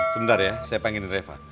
sebentar ya saya pengen reva